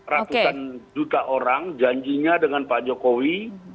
ratusan juta orang janjinya dengan pak jokowi